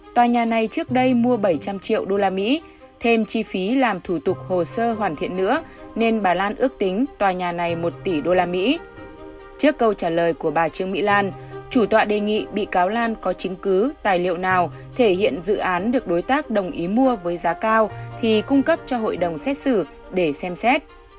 trước câu trả lời của bà trương mỹ lan chủ tọa đề nghị bị cáo lan có chứng cứ tài liệu nào thể hiện dự án được đối tác đồng ý mua với giá cao thì cung cấp cho hội đồng xét xử để xem xét